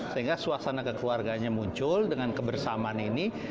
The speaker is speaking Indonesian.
sehingga suasana kekeluarganya muncul dengan kebersamaan ini